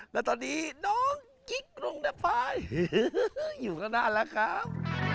และตอนนี้น้องกิ๊กรุงดไฟอยู่ข้างหน้าแล้วครับ